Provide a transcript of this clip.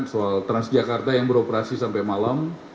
soal trans jakarta yang beroperasi sampai malam